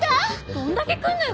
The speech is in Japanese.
どんだけ来るのよ